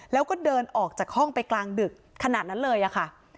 แล้วก็เดินออกจากห้องไปกลางดึกขนาดนั้นเลยค่ะ